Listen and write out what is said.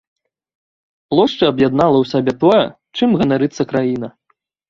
Плошча аб'яднала ў сабе ўсё тое, чым ганарыцца краіна.